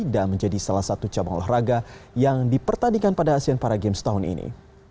dan menjadi salah satu cabang olahraga yang dipertandingkan pada asean paragames tahun ini